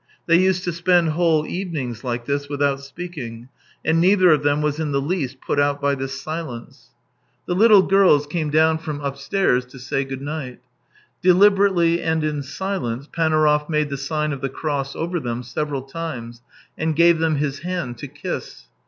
They used to spend whole evenings like this without speaking, and neither of them was in the least put out by this silence. 1 88 THE TALES OF TCHEHOV The little girls came down from upstairs to say good night. Deliberately and in silence, Panaurov made the sign of the cross over them several times, and gave them his hand to kiss.